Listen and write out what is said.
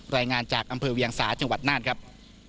รายงานจากอำเภอเวียงสาจังหวัดน่านครับ